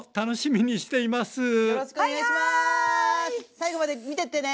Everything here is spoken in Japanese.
最後まで見てってね。